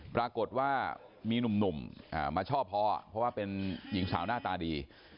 ปรากฏว่ามีหนุ่มมาชอบพอเพราะว่าเป็นหญิงสาวหน้าตาดี